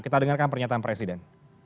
kita dengarkan pernyataan presiden